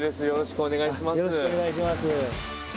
よろしくお願いします。